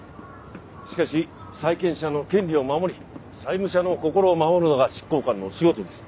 しかし債権者の権利を守り債務者の心を守るのが執行官の仕事です。